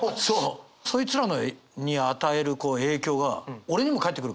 そいつらに与える影響が俺にも返ってくるから。